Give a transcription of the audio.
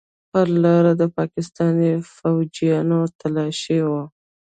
پر لاره د پاکستاني فوجيانو تلاشي وه.